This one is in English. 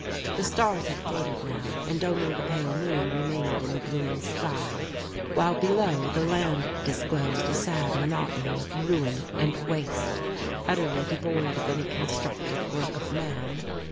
The stars had faded now and only the pale moon remained in the bluing sky, while below the land disclosed a sad monotony of ruin and waste, utterly devoid of any constructive work of man.